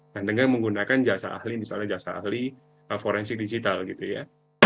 dan dengan menggunakan jasa ahli misalnya jasa ahli forensik digital gitu ya